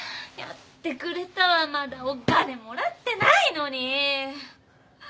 やってくれたわまだお金もらってないのに！